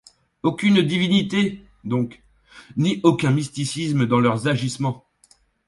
Aucune divinité, donc, ni aucun mysticisme dans leurs agissements.